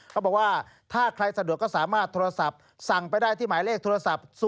เขาบอกว่าถ้าใครสะดวกก็สามารถโทรศัพท์สั่งไปได้ที่หมายเลขโทรศัพท์